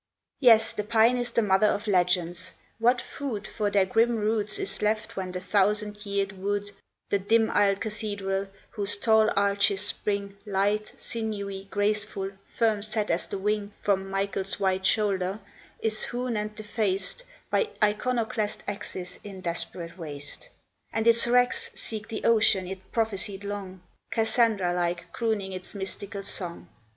Yes, the pine is the mother of legends; what food For their grim roots is left when the thousand yeared wood The dim aisled cathedral, whose tall arches spring Light, sinewy, graceful, firm set as the wing From Michael's white shoulder is hewn and defaced By iconoclast axes in desperate waste, And its wrecks seek the ocean it prophesied long, Cassandra like, crooning its mystical song?